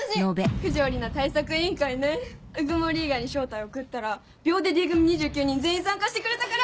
「九条里奈対策委員会」ね鵜久森以外に招待送ったら秒でＤ組２９人全員参加してくれたから！